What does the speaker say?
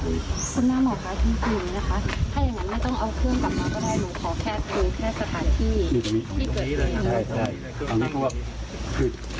การทำให้มันตามกฎหมายจะพูดมาก